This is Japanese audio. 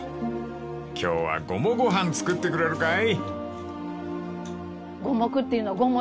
［今日はごもご飯作ってくれるかい？］